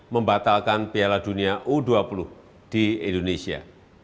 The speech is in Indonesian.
membatalkan piala dunia u dua puluh di indonesia